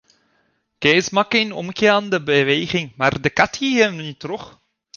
Kees makke in omgeande beweging, mar de kat hie him troch.